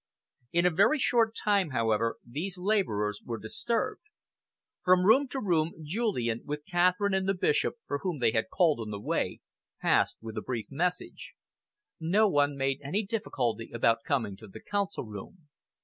In a very short time, however, these labours were disturbed. From room to room, Julian, with Catherine and the Bishop, for whom they had called on the way, passed with a brief message. No one made any difficulty about coming to the Council room.